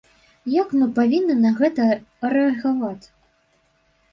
Як мы павінны на гэта рэагаваць?